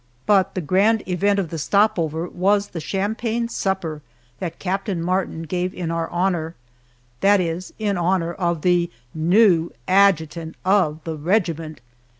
But the grand event of the stop over was the champagne supper that Captain Martin gave in our honor that is, in honor of the new adjutant of the regiment.